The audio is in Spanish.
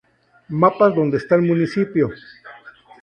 Mapas donde está el municipio